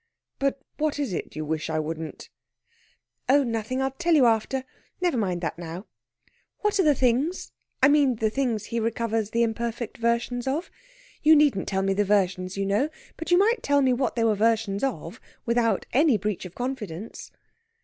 But what is it you wish I wouldn't?" "Oh, nothing! I'll tell you after. Never mind that now. What are the things I mean, the things he recovers the imperfect versions of? You needn't tell me the versions, you know, but you might tell me what they were versions of, without any breach of confidence."